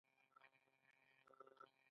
د سوځیدو لپاره سړې اوبه وکاروئ